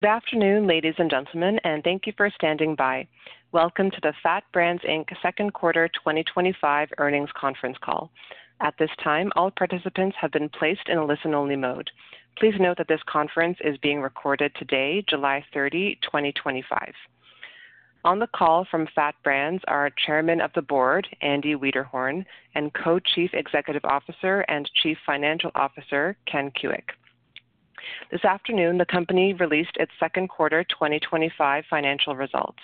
Good afternoon, ladies and gentlemen, and thank you for standing by. Welcome to the FAT Brands Inc. second quarter 2025 earnings conference call. At this time, all participants have been placed in a listen-only mode. Please note that this conference is being recorded today, July 30, 2025. On the call from FAT Brands are Chairman of the Board, Andy Wiederhorn, and Co-Chief Executive Officer and Chief Financial Officer, Ken Kuick. This afternoon, the company released its second quarter 2025 financial results.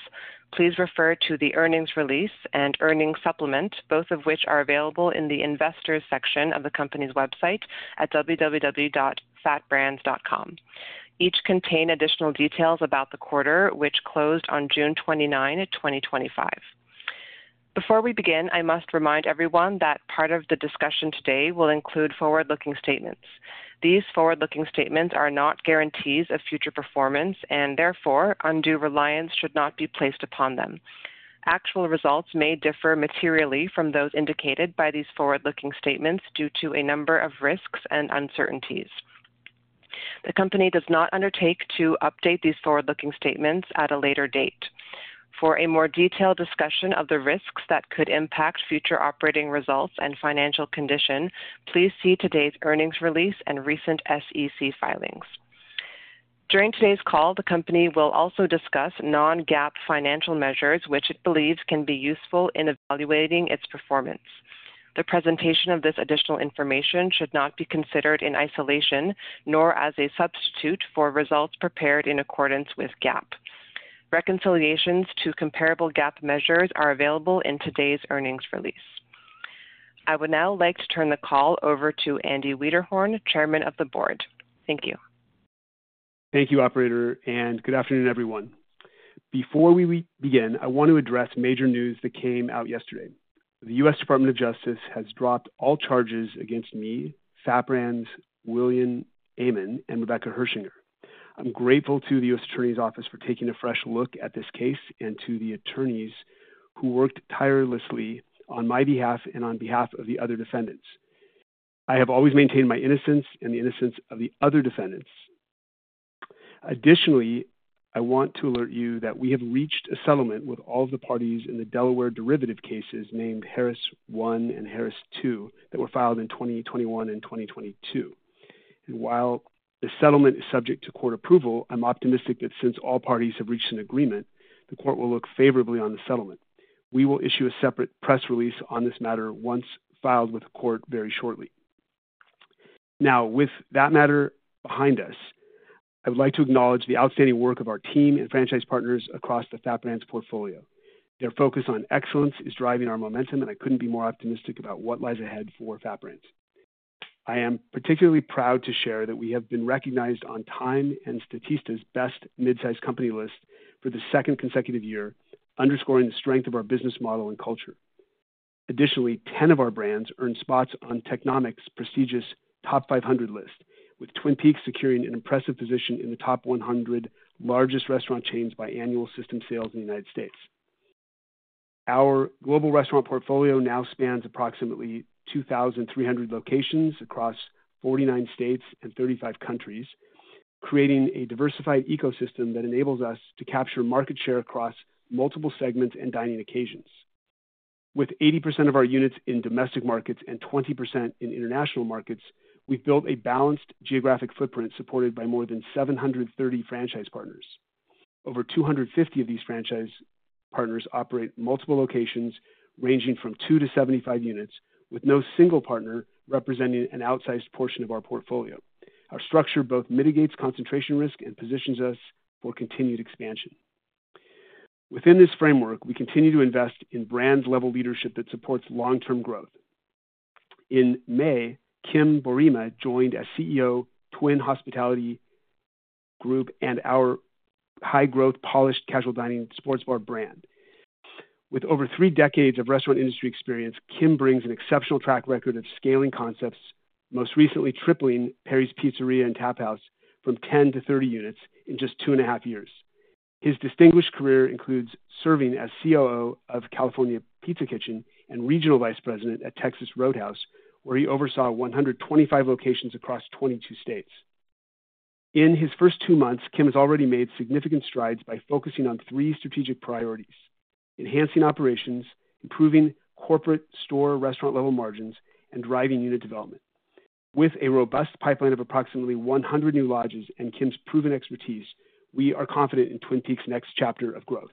Please refer to the earnings release and earnings supplement, both of which are available in the Investors section of the company's website at www.fatbrands.com. Each contains additional details about the quarter, which closed on June 29, 2025. Before we begin, I must remind everyone that part of the discussion today will include forward-looking statements. These forward-looking statements are not guarantees of future performance, and therefore, undue reliance should not be placed upon them. Actual results may differ materially from those indicated by these forward-looking statements due to a number of risks and uncertainties. The company does not undertake to update these forward-looking statements at a later date. For a more detailed discussion of the risks that could impact future operating results and financial condition, please see today's Earnings Release and recent SEC filings. During today's call, the company will also discuss non-GAAP financial measures, which it believes can be useful in evaluating its performance. The presentation of this additional information should not be considered in isolation, nor as a substitute for results prepared in accordance with GAAP. Reconciliations to comparable GAAP measures are available in today's earnings release. I would now like to turn the call over to Andy Wiederhorn, Chairman of the Board. Thank you. Thank you, Operator, and good afternoon, everyone. Before we begin, I want to address major news that came out yesterday. The U.S. Department of Justice has dropped all charges against me, FAT Brands' William Aymond, and Rebecca Hershinger. I'm grateful to the U.S. Attorney's Office for taking a fresh look at this case and to the attorneys who worked tirelessly on my behalf and on behalf of the other defendants. I have always maintained my innocence and the innocence of the other defendants. Additionally, I want to alert you that we have reached a settlement with all of the parties in the Delaware derivative cases named Harris 1 and Harris 2 that were filed in 2021 and 2022. While the settlement is subject to court approval, I'm optimistic that since all parties have reached an agreement, the court will look favorably on the settlement. We will issue a separate press release on this matter once filed with the court very shortly. Now, with that matter behind us, I would like to acknowledge the outstanding work of our team and franchise partners across the FAT Brands portfolio. Their focus on excellence is driving our momentum, and I couldn't be more optimistic about what lies ahead for FAT Brands. I am particularly proud to share that we have been recognized on TIME and Statista's Best Mid-Size Company list for the second consecutive year, underscoring the strength of our business model and culture. Additionally, 10 of our brands earned spots on Technomic's prestigious Top 500 list, with Twin Peaks securing an impressive position in the top 100 largest restaurant chains by annual system sales in the United States. Our global restaurant portfolio now spans approximately 2,300 locations across 49 states and 35 countries, creating a diversified ecosystem that enables us to capture market share across multiple segments and dining occasions. With 80% of our units in domestic markets and 20% in international markets, we've built a balanced geographic footprint supported by more than 730 franchise partners. Over 250 of these franchise partners operate multiple locations, ranging from 2-75 units, with no single partner representing an outsized portion of our portfolio. Our structure both mitigates concentration risk and positions us for continued expansion. Within this framework, we continue to invest in brand-level leadership that supports long-term growth. In May, Kim Borima joined as CEO of Twin Hospitality Group and our high-growth, polished casual dining sports bar brand. With over three decades of restaurant industry experience, Kim brings an exceptional track record of scaling concepts, most recently tripling Perry's Pizzeria and Taphouse from 10 to 30 units in just two and a half years. His distinguished career includes serving as COO of California Pizza Kitchen and Regional Vice President at Texas Roadhouse, where he oversaw 125 locations across 22 states. In his first two months, Kim has already made significant strides by focusing on three strategic priorities: enhancing operations, improving corporate store/restaurant-level margins, and driving unit development. With a robust pipeline of approximately 100 new lodges and Kim's proven expertise, we are confident in Twin Peaks' next chapter of growth.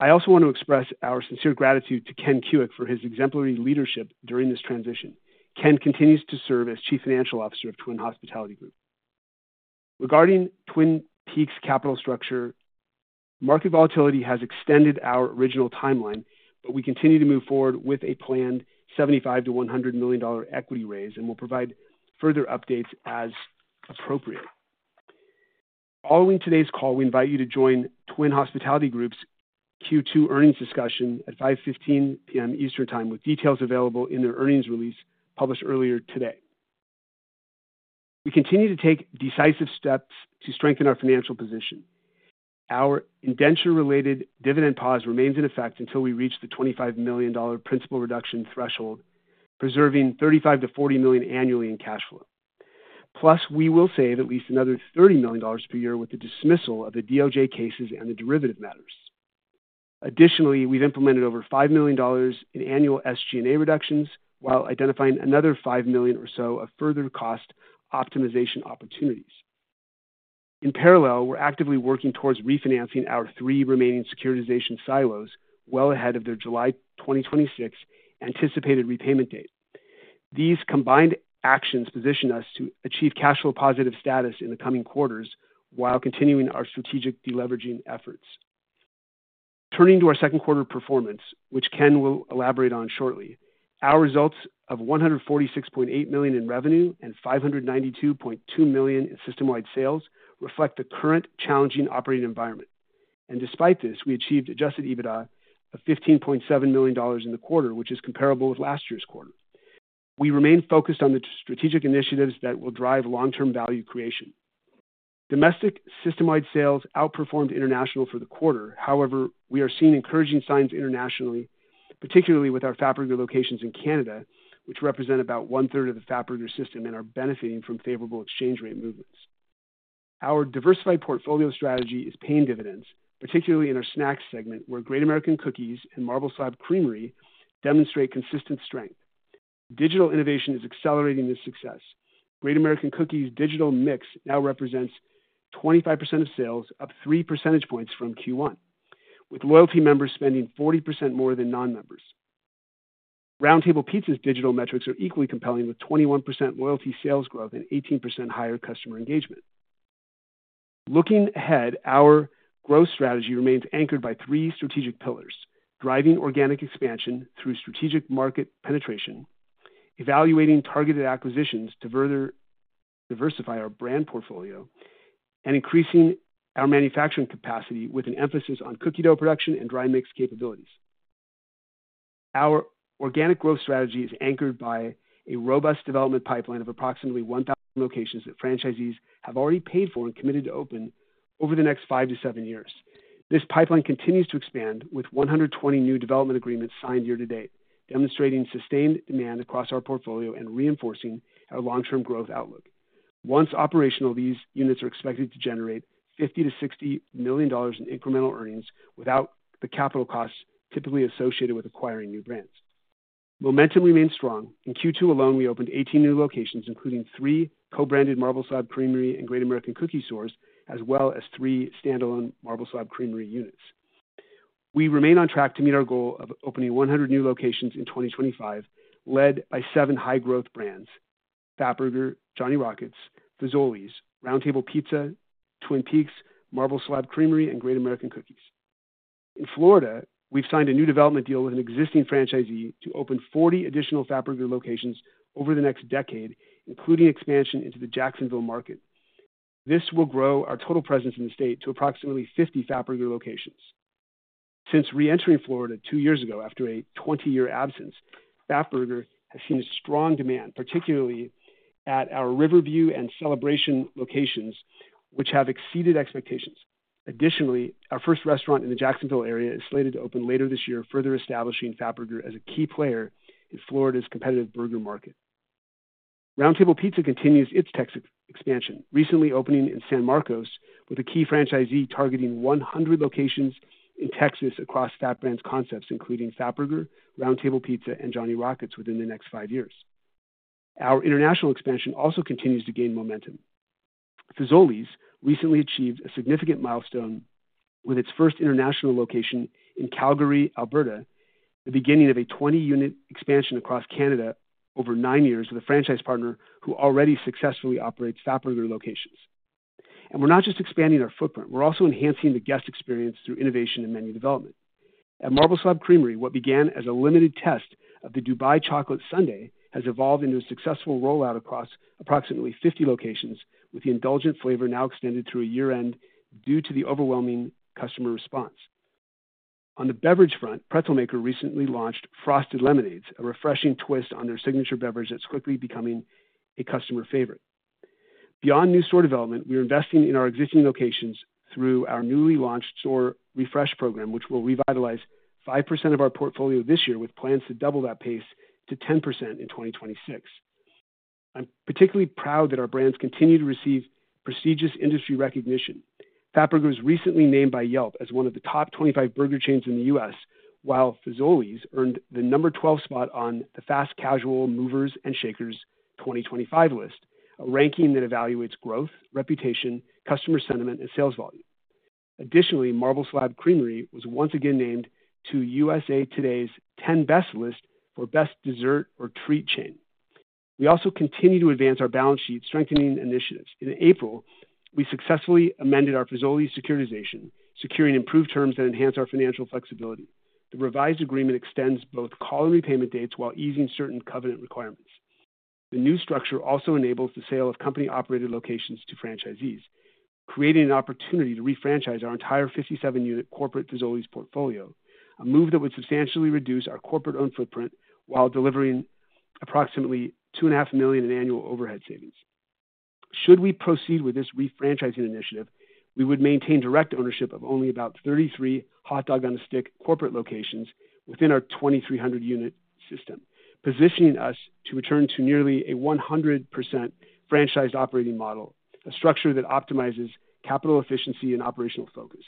I also want to express our sincere gratitude to Ken Kuick for his exemplary leadership during this transition. Ken continues to serve as Chief Financial Officer of Twin Hospitality Group. Regarding Twin Peaks' capital structure, market volatility has extended our original timeline, but we continue to move forward with a planned $75 million-$100 million equity raise and will provide further updates as appropriate. Following today's call, we invite you to join Twin Hospitality Group's Q2 earnings discussion at 5:15 P.M. Eastern Time, with details available in their Earnings Release published earlier today. We continue to take decisive steps to strengthen our financial position. Our indenture-related dividend pause remains in effect until we reach the $25 million principal reduction threshold, preserving $35 million-$40 million annually in cash flow. Plus, we will save at least another $30 million per year with the dismissal of the DOJ cases and the derivative matters. Additionally, we've implemented over $5 million in annual SG&A reductions, while identifying another $5 million or so of further cost optimization opportunities. In parallel, we're actively working towards refinancing our three remaining securitization silos well ahead of their July 2026 anticipated repayment date. These combined actions position us to achieve cash flow positive status in the coming quarters while continuing our strategic deleveraging efforts. Turning to our second quarter performance, which Ken will elaborate on shortly, our results of $146.8 million in revenue and $592.2 million in system-wide sales reflect the current challenging operating environment. Despite this, we achieved an adjusted EBITDA of $15.7 million in the quarter, which is comparable with last year's quarter. We remain focused on the strategic initiatives that will drive long-term value creation. Domestic system-wide sales outperformed international for the quarter. However, we are seeing encouraging signs internationally, particularly with our Fatburger locations in Canada, which represent about one-third of the Fatburger system and are benefiting from favorable exchange rate movements. Our diversified portfolio strategy is paying dividends, particularly in our snacks segment, where Great American Cookies and Marble Slab Creamery demonstrate consistent strength. Digital innovation is accelerating this success. Great American Cookies' digital mix now represents 25% of sales, up three percentage points from Q1, with loyalty members spending 40% more than non-members. Round Table Pizza's digital metrics are equally compelling, with 21% loyalty sales growth and 18% higher customer engagement. Looking ahead, our growth strategy remains anchored by three strategic pillars: driving organic expansion through strategic market penetration, evaluating targeted acquisitions to further diversify our brand portfolio, and increasing our manufacturing capacity with an emphasis on cookie dough production and dry mix capabilities. Our organic growth strategy is anchored by a robust development pipeline of approximately 1,000 locations that franchisees have already paid for and committed to open over the next five to seven years. This pipeline continues to expand, with 120 new development agreements signed year to date, demonstrating sustained demand across our portfolio and reinforcing our long-term growth outlook. Once operational, these units are expected to generate $50 million-$60 million in incremental earnings without the capital costs typically associated with acquiring new brands. Momentum remains strong. In Q2 alone, we opened 18 new locations, including three co-branded Marble Slab Creamery and Great American Cookies stores, as well as three standalone Marble Slab Creamery units. We remain on track to meet our goal of opening 100 new locations in 2025, led by seven high-growth brands: Fatburger, Johnny Rockets, Fazoli's, Round Table Pizza, Twin Peaks, Marble Slab Creamery, and Great American Cookies. In Florida, we've signed a new development deal with an existing franchisee to open 40 additional Fatburger locations over the next decade, including expansion into the Jacksonville market. This will grow our total presence in the state to approximately 50 Fatburger locations. Since reentering Florida two years ago after a 20-year absence, Fatburger has seen a strong demand, particularly at our Riverview and Celebration locations, which have exceeded expectations. Additionally, our first restaurant in the Jacksonville area is slated to open later this year, further establishing Fatburger as a key player in Florida's competitive burger market. Round Table Pizza continues its Texas expansion, recently opening in San Marcos with a key franchisee targeting 100 locations in Texas across FAT Brands concepts, including Fatburger, Round Table Pizza, and Johnny Rockets within the next five years. Our international expansion also continues to gain momentum. Fazoli's recently achieved a significant milestone with its first international location in Calgary, Alberta, the beginning of a 20-unit expansion across Canada over nine years with a franchise partner who already successfully operates Fatburger locations. We're not just expanding our footprint, we're also enhancing the guest experience through innovation and menu development. At Marble Slab Creamery, what began as a limited test of the Dubai Chocolate Sundae has evolved into a successful rollout across approximately 50 locations, with the indulgent flavor now extended through year-end due to the overwhelming customer response. On the beverage front, Pretzel Maker recently launched Frosted Lemonades, a refreshing twist on their signature beverage that's quickly becoming a customer favorite. Beyond new store development, we're investing in our existing locations through our newly launched store refresh program, which will revitalize 5% of our portfolio this year, with plans to double that pace to 10% in 2026. I'm particularly proud that our brands continue to receive prestigious industry recognition. Fatburger was recently named by Yelp as one of the top 25 burger chains in the U.S., while Fazoli's earned the number 12 spot on the Fast Casual Movers and Shakers 2025 list, a ranking that evaluates growth, reputation, customer sentiment, and sales volume. Additionally, Marble Slab Creamery was once again named to USA Today's 10 Best list for Best Dessert or Treat Chain. We also continue to advance our balance sheet strengthening initiatives. In April, we successfully amended our Fazoli's securitization, securing improved terms that enhance our financial flexibility. The revised agreement extends both call and repayment dates while easing certain covenant requirements. The new structure also enables the sale of company-operated locations to franchisees, creating an opportunity to refranchise our entire 57-unit corporate Fazoli's portfolio, a move that would substantially reduce our corporate-owned footprint while delivering approximately $2.5 million in annual overhead savings. Should we proceed with this refranchising initiative, we would maintain direct ownership of only about 33 Hot Dog on a Stick corporate locations within our 2,300-unit system, positioning us to return to nearly a 100% franchised operating model, a structure that optimizes capital efficiency and operational focus.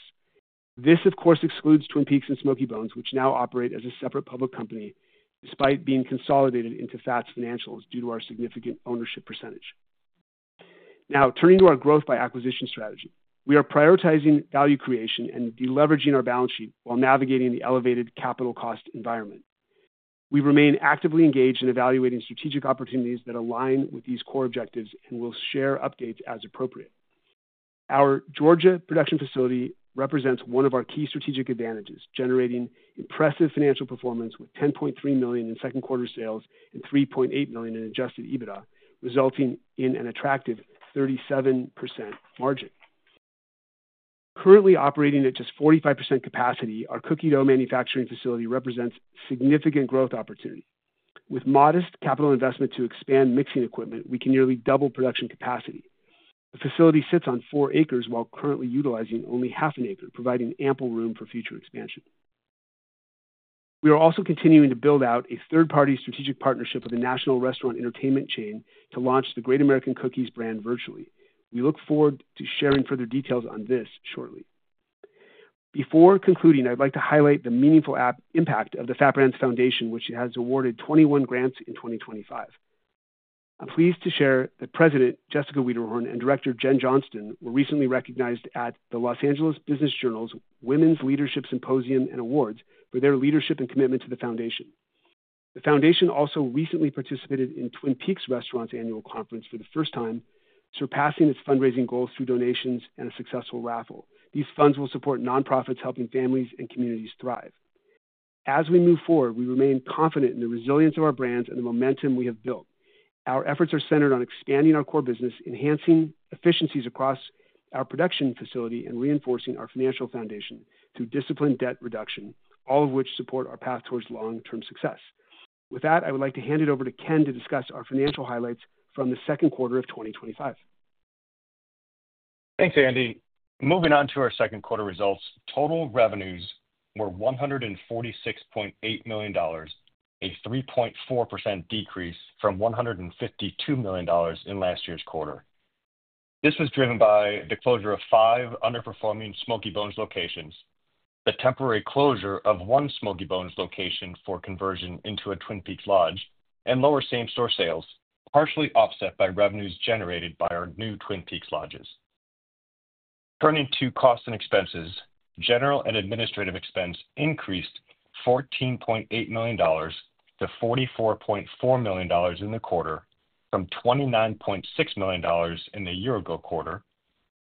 This, of course, excludes Twin Peaks and Smokey Bones, which now operate as a separate public company despite being consolidated into FAT's financials due to our significant ownership percentage. Now, turning to our growth by acquisition strategy, we are prioritizing value creation and deleveraging our balance sheet while navigating the elevated capital cost environment. We remain actively engaged in evaluating strategic opportunities that align with these core objectives and will share updates as appropriate. Our Georgia production facility represents one of our key strategic advantages, generating impressive financial performance with $10.3 million in second quarter sales and $3.8 million in adjusted EBITDA, resulting in an attractive 37% margin. Currently operating at just 45% capacity, our cookie dough manufacturing facility represents a significant growth opportunity. With modest capital investment to expand mixing equipment, we can nearly double production capacity. The facility sits on four acres while currently utilizing only half an acre, providing ample room for future expansion. We are also continuing to build out a third-party strategic partnership with a national restaurant entertainment chain to launch the Great American Cookies brand virtually. We look forward to sharing further details on this shortly. Before concluding, I'd like to highlight the meaningful impact of the FAT Brands Foundation, which has awarded 21 grants in 2025. I'm pleased to share that President Jessica Wiederhorn and Director Jen Johnston were recently recognized at the Los Angeles Business Journal's Women's Leadership Symposium and Awards for their leadership and commitment to the foundation. The foundation also recently participated in Twin Peaks' annual conference for the first time, surpassing its fundraising goals through donations and a successful raffle. These funds will support nonprofits helping families and communities thrive. As we move forward, we remain confident in the resilience of our brands and the momentum we have built. Our efforts are centered on expanding our core business, enhancing efficiencies across our production facility, and reinforcing our financial foundation through disciplined debt reduction, all of which support our path towards long-term success. With that, I would like to hand it over to Ken to discuss our financial highlights from the second quarter of 2025. Thanks, Andy. Moving on to our second quarter results, total revenues were $146.8 million, a 3.4% decrease from $152 million in last year's quarter. This was driven by the closure of five underperforming Smokey Bones locations, the temporary closure of one Smokey Bones location for conversion into a Twin Peaks lodge, and lower same-store sales, partially offset by revenues generated by our new Twin Peaks lodges. Turning to costs and expenses, general and administrative expense increased $14.8 million-$44.4 million in the quarter, from $29.6 million in the year-ago quarter,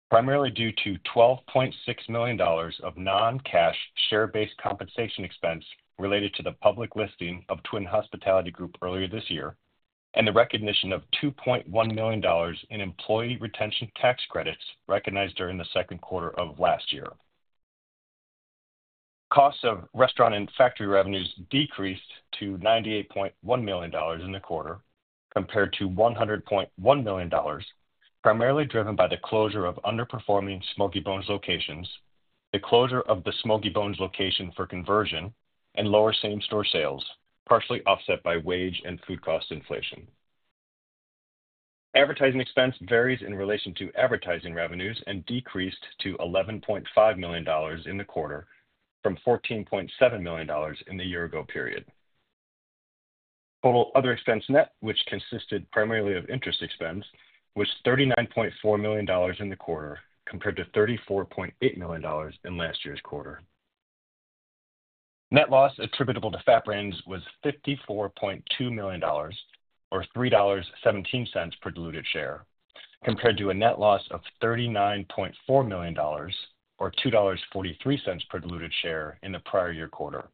primarily due to $12.6 million of non-cash share-based compensation expense related to the public listing of Twin Hospitality Group earlier this year and the recognition of $2.1 million in employee retention tax credits recognized during the second quarter of last year. Costs of restaurant and factory revenues decreased to $98.1 million in the quarter compared to $100.1 million, primarily driven by the closure of underperforming Smokey Bones locations, the closure of the Smokey Bones location for conversion, and lower same-store sales, partially offset by wage and food cost inflation. Advertising expense varies in relation to advertising revenues and decreased to $11.5 million in the quarter, from $14.7 million in the year-ago period. Total other expense, net, which consisted primarily of interest expense, was $39.4 million in the quarter compared to $34.8 million in last year's quarter. Net loss attributable to FAT Brands Inc. was $54.2 million, or $3.17 per diluted share, compared to a net loss of $39.4 million, or $2.43 per diluted share in the prior year quarter.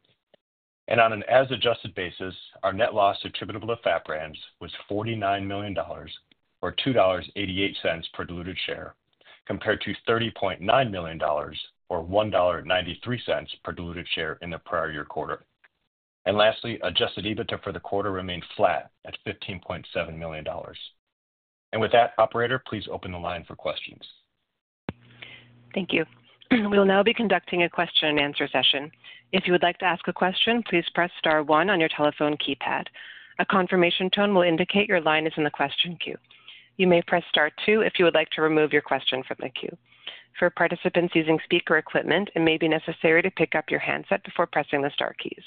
On an as-adjusted basis, our net loss attributable to FAT Brands Inc. was $49 million, or $2.88 per diluted share, compared to $30.9 million, or $1.93 per diluted share in the prior year quarter. Lastly, adjusted EBITDA for the quarter remained flat at $15.7 million. With that, Operator, please open the line for questions. Thank you. We will now be conducting a question-and-answer session. If you would like to ask a question, please press star one on your telephone keypad. A confirmation tone will indicate your line is in the question queue. You may press star two if you would like to remove your question from the queue. For participants using speaker equipment, it may be necessary to pick up your handset before pressing the star keys.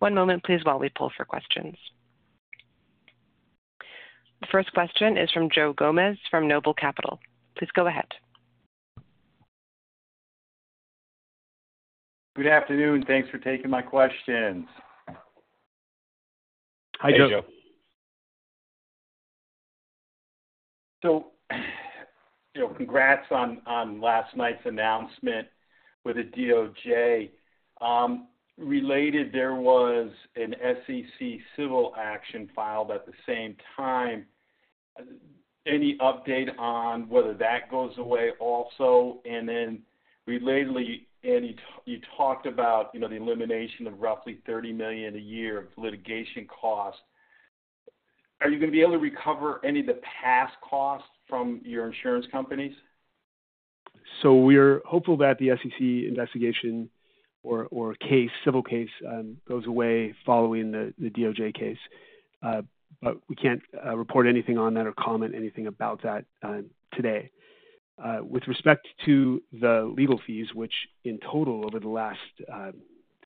One moment, please, while we pull for questions. The first question is from Joe Gomez from NOBLE Capital. Please go ahead. Good afternoon. Thanks for taking my questions. Hi, Joe. Congratulations on last night's announcement with the U.S. Department of Justice. Related, there was an SEC civil action filed at the same time. Any update on whether that goes away also? Relatedly, you talked about the elimination of roughly $30 million a year of litigation costs. Are you going to be able to recover any of the past costs from your insurance companies? We are hopeful that the SEC investigation or civil case goes away following the DOJ case, but we can't report anything on that or comment anything about that today. With respect to the legal fees, which in total over the last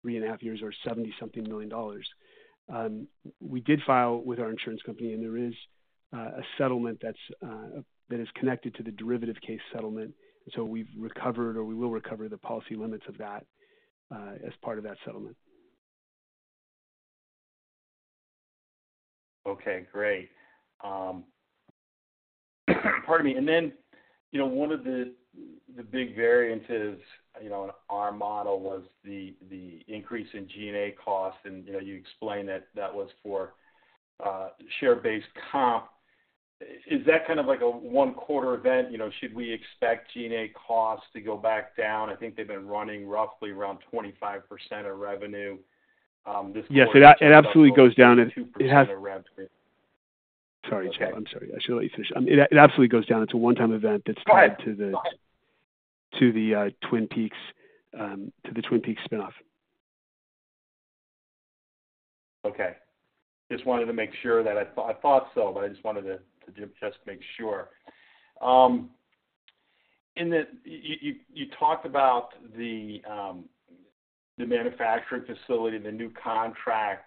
three and a half years are $70-something million, we did file with our insurance company, and there is a settlement that is connected to the derivative case settlement. We have recovered, or we will recover, the policy limits of that as part of that settlement. Okay, great. Pardon me. One of the big variances in our model was the increase in G&A costs. You explained that that was for share-based comp. Is that kind of like a one-quarter event? Should we expect G&A costs to go back down? I think they've been running roughly around 25% of revenue this quarter. Yes, it absolutely goes down. Sorry to check. I'm sorry. I should let you finish. It absolutely goes down. It's a one-time event that's tied to the Twin Peaks spin-off. Okay. I thought so, but I just wanted to make sure. You talked about the manufacturing facility and the new contract.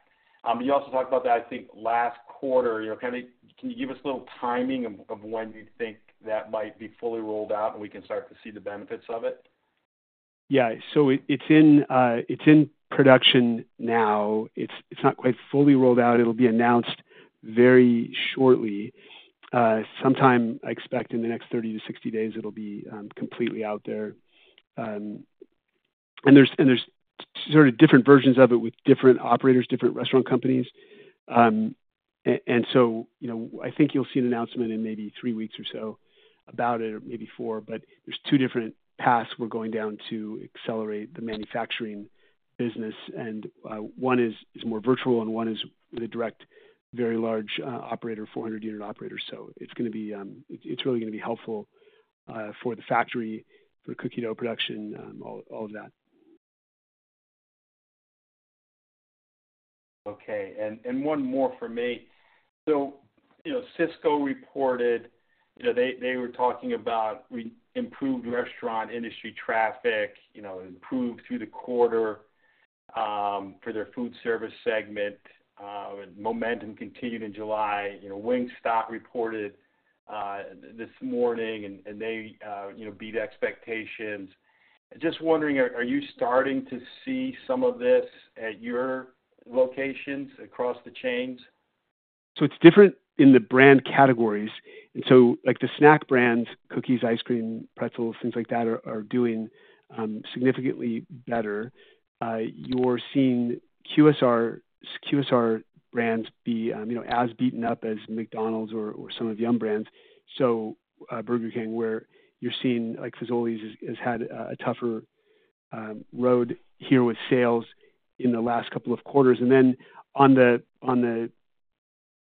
You also talked about that, I think, last quarter. Can you give us a little timing of when you think that might be fully rolled out and we can start to see the benefits of it? Yeah. It's in production now. It's not quite fully rolled out. It'll be announced very shortly. I expect in the next 30 to 60 days, it'll be completely out there. There are sort of different versions of it with different operators, different restaurant companies. I think you'll see an announcement in maybe three weeks or so about it, or maybe four. There are two different paths we're going down to accelerate the manufacturing business. One is more virtual and one is with a direct, very large operator, 400-unit operator. It's really going to be helpful for the factory, for the cookie dough production, all of that. Okay. One more for me. Cisco reported they were talking about improved restaurant industry traffic, improved through the quarter for their food service segment. Momentum continued in July. Wingstop reported this morning and they beat expectations. Just wondering, are you starting to see some of this at your locations across the chains? It's different in the brand categories. The snack brands, cookies, ice cream, pretzels, things like that are doing significantly better. You're seeing QSR brands be as beaten up as McDonald's or some of the other brands, Burger King, where you're seeing Fazoli's has had a tougher road here with sales in the last couple of quarters. On the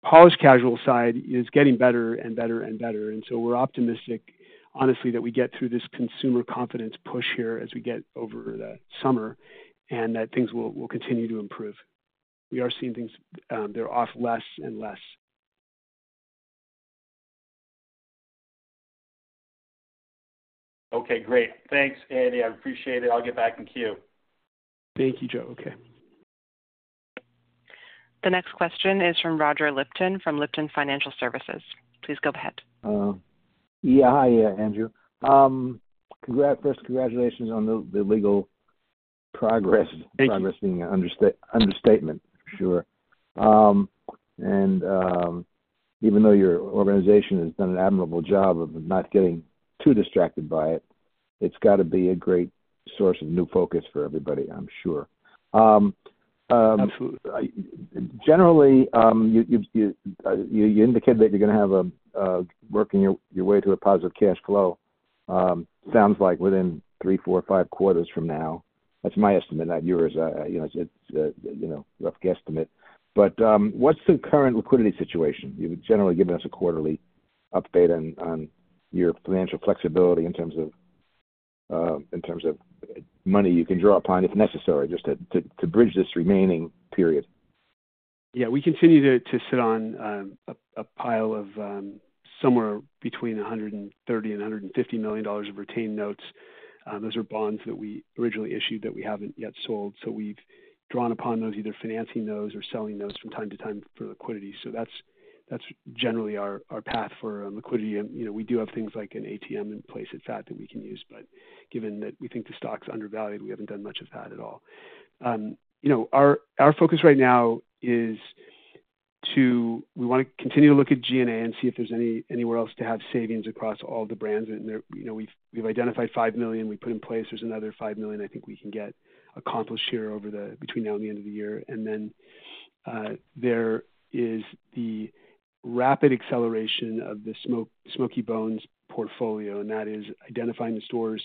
polished casual side, it's getting better and better and better. We're optimistic, honestly, that we get through this consumer confidence push here as we get over the summer and that things will continue to improve. We are seeing things, they're off less and less. Okay, great. Thanks, Andy. I appreciate it. I'll get back in queue. Thank you, Joe. Okay. The next question is from Roger Lipton from Lipton Financial Services. Please go ahead. Yeah, hi, Andrew. First, congratulations on the legal progress. Progress being an understatement, for sure. Even though your organization has done an admirable job of not getting too distracted by it, it's got to be a great source of new focus for everybody, I'm sure. Generally, you indicated that you're going to have a working your way to a positive cash flow, sounds like, within three, four, or five quarters from now. That's my estimate, not yours. You know, it's a rough guesstimate. What's the current liquidity situation? You've generally given us a quarterly update on your financial flexibility in terms of money you can draw upon if necessary, just to bridge this remaining period. Yeah, we continue to sit on a pile of somewhere between $130 million and $150 million of retained notes. Those are bonds that we originally issued that we haven't yet sold. We've drawn upon those, either financing those or selling those from time to time for liquidity. That's generally our path for liquidity. We do have things like an ATM in place at FAT that we can use. Given that we think the stock's undervalued, we haven't done much of that at all. Our focus right now is to continue to look at G&A and see if there's anywhere else to have savings across all the brands. We've identified $5 million we put in place. There's another $5 million I think we can get accomplished here between now and the end of the year. There is the rapid acceleration of the Smokey Bones portfolio, and that is identifying the stores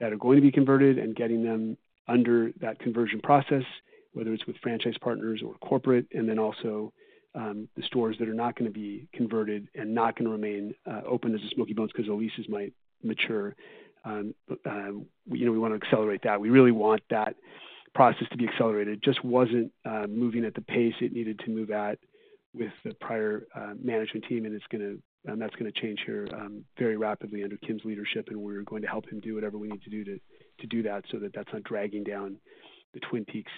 that are going to be converted and getting them under that conversion process, whether it's with franchise partners or corporate, and also the stores that are not going to be converted and not going to remain open as Smokey Bones because the leases might mature. We want to accelerate that. We really want that process to be accelerated. It just wasn't moving at the pace it needed to move at with the prior management team, and that's going to change here very rapidly under Kim's leadership. We're going to help him do whatever we need to do to do that so that that's not dragging down the Twin Peaks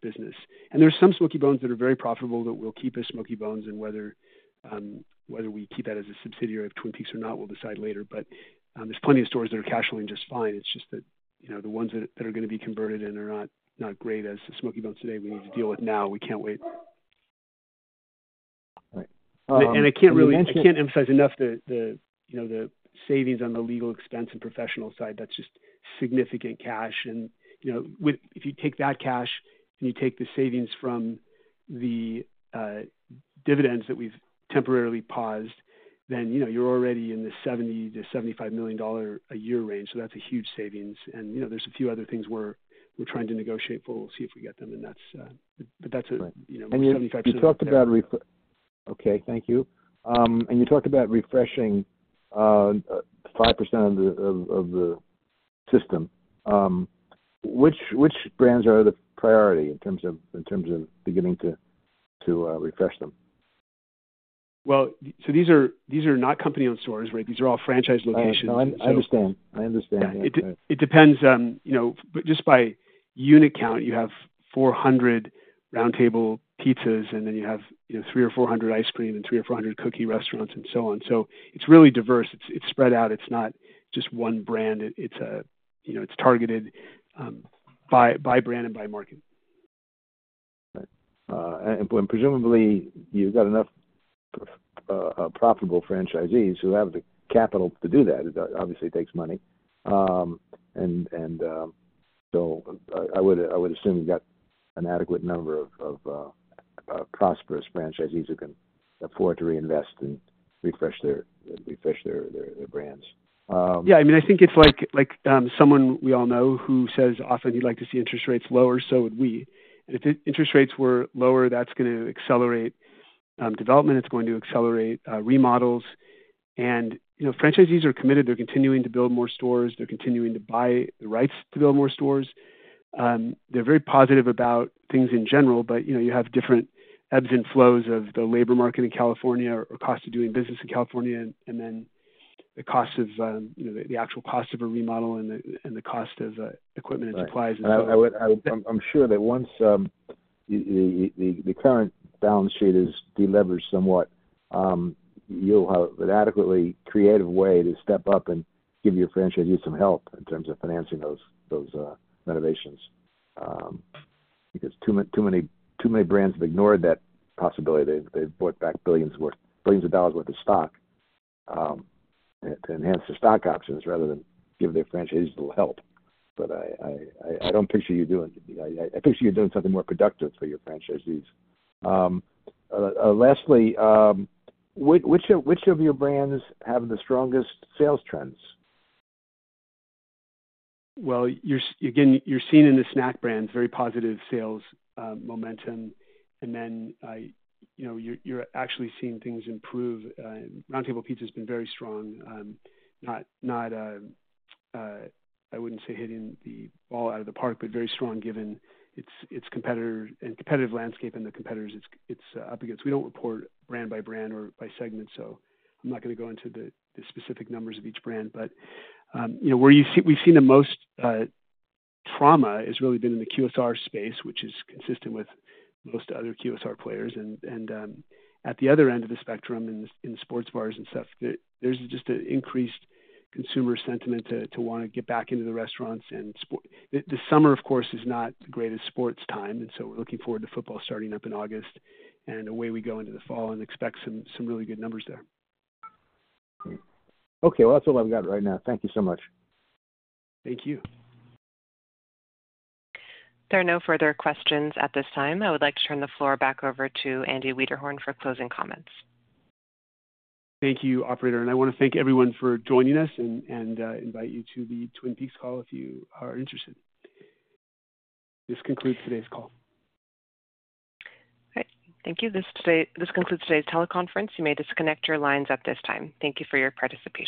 business. There are some Smokey Bones that are very profitable that we'll keep as Smokey Bones, and whether we keep that as a subsidiary of Twin Peaks or not, we'll decide later. There are plenty of stores that are cash flowing just fine. It's just that the ones that are going to be converted and are not great as Smokey Bones today, we need to deal with now. We can't wait. I can't emphasize enough the savings on the legal expense and professional side. That's just significant cash. If you take that cash and you take the savings from the dividends that we've temporarily paused, then you're already in the $70 million-$75 million a year range. That's a huge savings. There are a few other things we're trying to negotiate for. We'll see if we get them. That's a $75 million. Thank you. You talked about refreshing 5% of the system. Which brands are the priority in terms of beginning to refresh them? These are not company-owned stores, right? These are all franchise locations. No, I understand. I understand. It depends, you know, just by unit count. You have 400 Round Table Pizza, and then you have, you know, 300 or 400 ice cream and 300 or 400 cookie restaurants and so on. It's really diverse. It's spread out. It's not just one brand. It's targeted by brand and by market. Presumably, you've got enough profitable franchisees who have the capital to do that. It obviously takes money, so I would assume you've got an adequate number of prosperous franchisees who can afford to reinvest and refresh their brands. Yeah, I mean, I think it's like someone we all know who says often you'd like to see interest rates lower, so would we. If interest rates were lower, that's going to accelerate development. It's going to accelerate remodels. Franchisees are committed. They're continuing to build more stores. They're continuing to buy the rights to build more stores. They're very positive about things in general. You have different ebbs and flows of the labor market in California or cost of doing business in California, and then the cost of the actual cost of a remodel and the cost of equipment and supplies. I'm sure that once the current balance sheet is deleveraged somewhat, you'll have an adequately creative way to step up and give your franchisees some help in terms of financing those renovations. Too many brands have ignored that possibility. They've bought back billions of dollars' worth of stock to enhance their stock options rather than give their franchisees a little help. I don't picture you doing that. I picture you're doing something more productive for your franchisees. Lastly, which of your brands have the strongest sales trends? You're seeing in the snack brands very positive sales momentum. You know, you're actually seeing things improve. Round Table Pizza has been very strong. Not, I wouldn't say hitting the ball out of the park, but very strong given its competitive landscape and the competitors it's up against. We don't report brand by brand or by segment, so I'm not going to go into the specific numbers of each brand. You know, where we've seen the most trauma has really been in the QSR space, which is consistent with most other QSR players. At the other end of the spectrum in sports bars and stuff, there's just an increased consumer sentiment to want to get back into the restaurants. The summer, of course, is not the greatest sports time. We're looking forward to football starting up in August and away we go into the fall and expect some really good numbers there. Okay, that's all I've got right now. Thank you so much. Thank you. There are no further questions at this time. I would like to turn the floor back over to Andy Wiederhorn for closing comments. Thank you, Operator. I want to thank everyone for joining us and invite you to the Twin Peaks call if you are interested. This concludes today's call. All right. Thank you. This concludes today's teleconference. You may disconnect your lines at this time. Thank you for your participation.